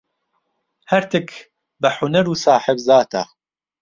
هەرتک بە حونەر و ساحێب زاتە.